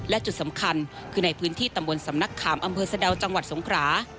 และจุดสำคัญคือในพื้นที่ตำบลสำนักขามอำเภอสะดาวจังหวัดสงขรา